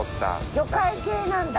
魚介系なんだ。